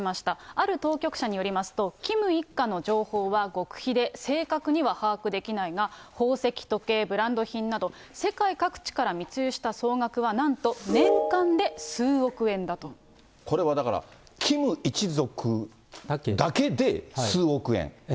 ある当局者によりますと、キム一家の情報は極秘で正確には把握できないが、宝石、時計、ブランド品など、世界各地から密輸した総額は、これはだから、キム一族だけで数億円？